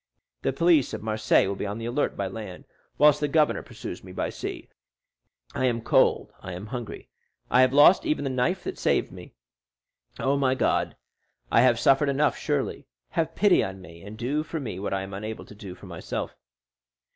The police of Marseilles will be on the alert by land, whilst the governor pursues me by sea. I am cold, I am hungry. I have lost even the knife that saved me. Oh, my God, I have suffered enough surely! Have pity on me, and do for me what I am unable to do for myself."